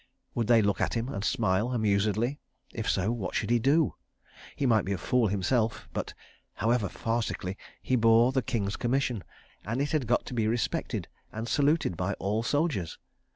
Would they look at him and smile amusedly? If so, what should he do? He might be a fool himself, but—however farcically—he bore the King's Commission, and it had got to be respected and saluted by all soldiers.